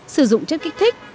sử dụng chất kích thích